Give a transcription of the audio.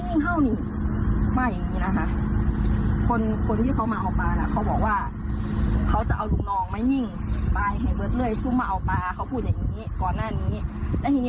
คุณพ่นก็พูดว่าอย่างนี้พ่อต่อมีปืนมาด้วยของพันธนโทษศุรเดช